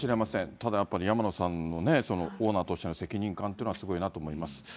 ただやっぱり、山野さんのね、オーナーとしての責任感というのはすごいなと思います。